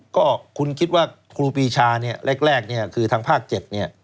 ก็คุณคิดว่าครูปีชานี่แรกคือทางภาค๗นี่